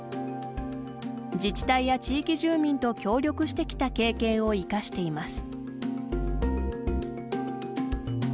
自治体や地域住民と協力してきた経験を生かしています。